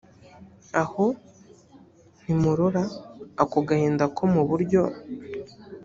aho ntimurora ako gahinda ko mu buryo